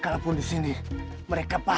kenapa aku ngambil enggangnya